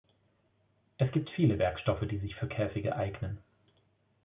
Es gibt viele Werkstoffe, die sich für Käfige eignen.